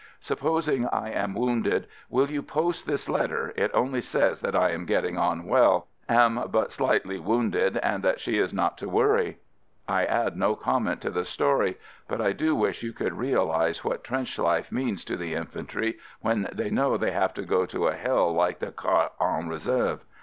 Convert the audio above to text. Supposing I am wounded, will you post this letter — it only says that I am getting on well — am but slightly wounded and that she is not to worry." I add no com ment to the story, but I do wish you could realize what trench life means to the in fantry when they know they have to go to a hell like the Quart en Reserve.